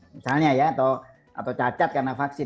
misalnya ya atau cacat karena vaksin